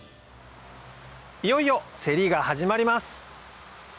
いよいよセリが始まります